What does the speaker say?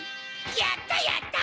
やったやった！